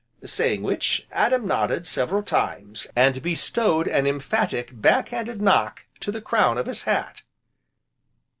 saying which, Adam nodded several times, and bestowed an emphatic backhanded knock to the crown of his hat.